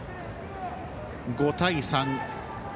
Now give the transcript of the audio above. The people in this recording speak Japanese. ５対３。